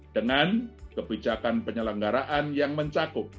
dengan kebijakan penyelenggaraan yang mencakup